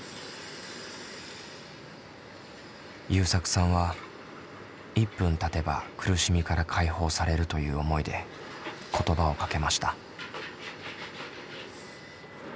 ゆうさくさんは１分たてば苦しみから解放されるという思いで言葉をかけました。